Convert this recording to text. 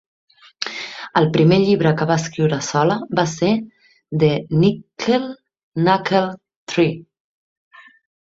El primer llibre que va escriure sola va ser "The Nickle Nackle Tree".